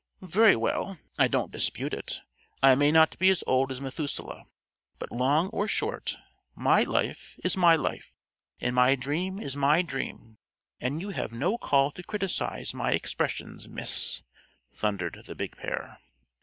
"Very well; I don't dispute it. I may not be as old as Methuselah, but long or short, my life is my life, and my dream is my dream, and you have no call to criticise my expressions, Miss!" thundered the Big Pair.